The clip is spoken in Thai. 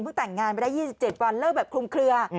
แต่งงานไปได้๒๗วันเลิกแบบคลุมเคลือ